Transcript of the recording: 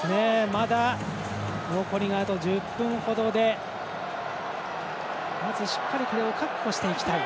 まだ残りが１０分ほどでしっかり確保していきたい。